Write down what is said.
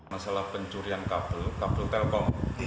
masalah pencurian kabel kabel telkom